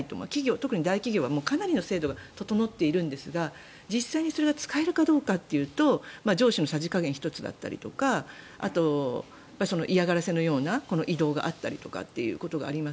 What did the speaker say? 特に大企業は、かなりの制度が整っているんですが実際にそれが使えるかどうかというと上司のさじ加減一つだったりとかあと、嫌がらせのような異動があったりということがあります。